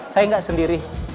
saya gak sendiri